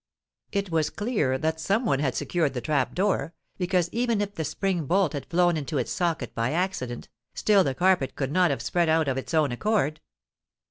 It was clear that some one had secured the trap door; because even if the spring bolt had flown into its socket by accident, still the carpet could not have spread out of its own accord.